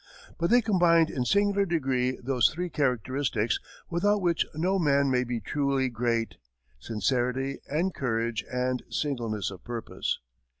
But they combined in singular degree those three characteristics without which no man may be truly great: sincerity and courage and singleness of purpose.